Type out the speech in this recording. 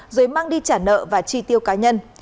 rồi mang đi trả nợ và chi tiêu cá nhân